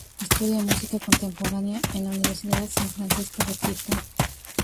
Estudia Música Contemporánea en la Universidad San Francisco de Quito.